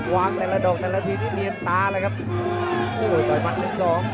วางแต่ละดอกแต่ละทีที่มีเอ็ดตาละครับโอ้โหต่อยมันหนึ่งสอง